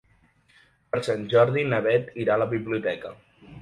Per Sant Jordi na Bet irà a la biblioteca.